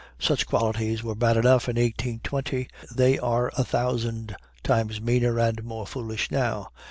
Such qualities were bad enough in 1820. They are a thousand times meaner and more foolish now.